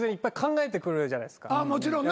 もちろんな。